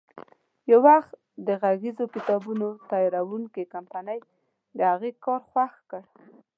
یو وخت د غږیزو کتابونو تیاروونکې کمپنۍ د هغې کار خوښ کړ.